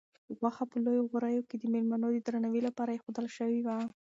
غوښه په لویو غوریو کې د مېلمنو د درناوي لپاره ایښودل شوې وه.